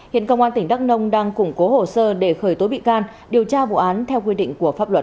hiện công an tỉnh đắk nông đang củng cố hồ sơ để khởi tố bị can điều tra vụ án theo quy định của pháp luật